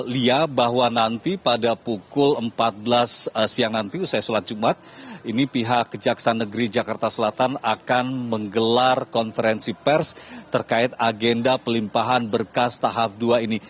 lia bahwa nanti pada pukul empat belas siang nanti usai sholat jumat ini pihak kejaksaan negeri jakarta selatan akan menggelar konferensi pers terkait agenda pelimpahan berkas tahap dua ini